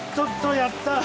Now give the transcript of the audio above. やったー！